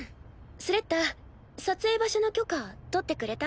スレッタ撮影場所の許可取ってくれた？